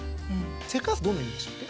せかす、どんな意味でしたっけ？